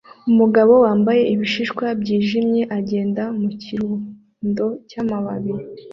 Umugabo wambaye ibishishwa byijimye agenda mu kirundo cyamababi